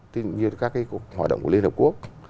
thì như các cái hội động của liên hợp quốc